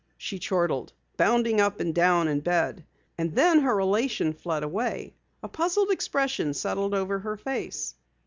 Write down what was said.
she chortled, bounding up and down in bed. And then her elation fled away. A puzzled expression settled over her face.